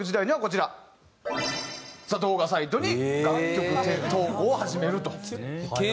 動画サイトに楽曲投稿を始めると。